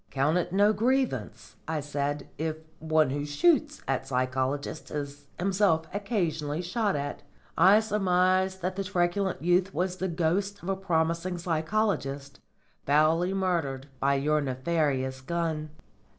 "Count it no grievance," I said, "if one who shoots at psychologists is himself occasionally shot at. I surmise that the truculent youth was the ghost of a promising psychologist, foully murdered by your nefarious gun."